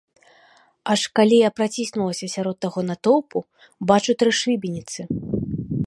Аж, калі я праціснулася сярод таго натоўпу, бачу тры шыбеніцы.